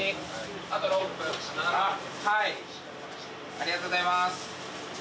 ・ありがとうございます。